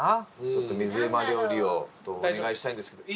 ちょっと水うま料理をお願いしたいんですけど。